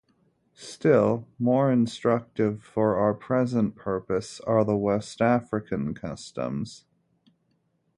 Still more instructive for our present purpose are the West African customs.